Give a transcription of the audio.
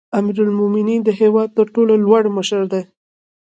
امیرالمؤمنین د هیواد تر ټولو لوړ مشر دی